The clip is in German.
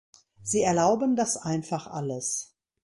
Sie erlauben das einfach alles!